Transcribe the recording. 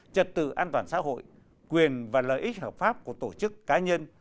trật tự an toàn xã hội quyền và lợi ích hợp pháp của tổ chức cá nhân